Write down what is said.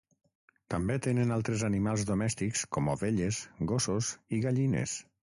També tenen altres animals domèstics com ovelles, gossos i gallines.